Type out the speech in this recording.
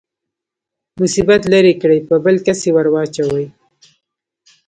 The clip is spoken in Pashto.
مصیبت لرې کړي په بل کس يې ورواچوي.